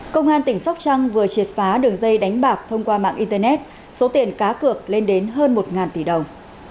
công an tỉnh sóc trăng vừa triệt phá đường dây đánh bạc thông qua mạng internet số tiền cá cược lên đến hơn một tỷ đồng